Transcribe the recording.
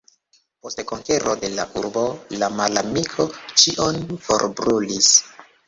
Post konkero de la urbo, la malamiko ĉion forbrulis.